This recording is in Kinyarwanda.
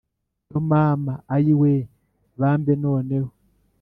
cyo mama ayiwe bambe noneho!